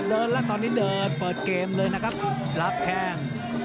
เดินแล้วตอนนี้เดินเปิดเกมเลยนะครับรับแข้ง